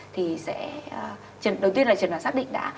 thì sẽ đầu tiên là chuẩn đoán xác định đã